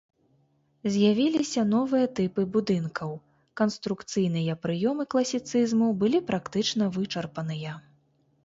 З'явіліся новыя тыпы будынкаў, канструкцыйныя прыёмы класіцызму былі практычна вычарпаныя.